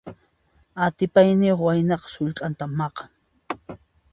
Atipayniyuq waynaqa sullk'anta maqan.